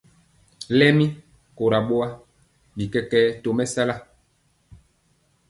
Lɛmi kora boa, bi kɛkɛɛ tɔmesala.